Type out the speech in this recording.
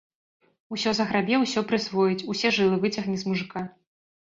Усё заграбе, усё прысвоіць, усе жылы выцягне з мужыка.